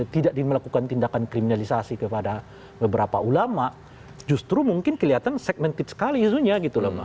tidak melakukan tindakan kriminalisasi kepada beberapa ulama justru mungkin kelihatan segmented sekali isunya gitu loh